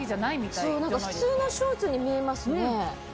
普通のショーツに見えますね。